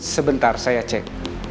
sebentar saya cek